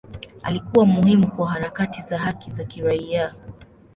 Alikuwa muhimu kwa harakati za haki za kiraia.